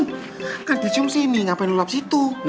gak dicium sini ngapain lu lap situ